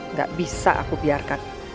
nggak bisa aku biarkan